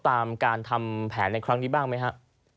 ตามการทำแผนในครั้งนี้บ้างไหมฮะ